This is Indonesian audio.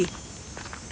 dia harus pergi